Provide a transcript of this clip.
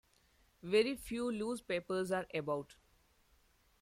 Very few loose papers are about.